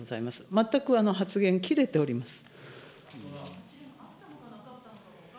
全く発言、切れております。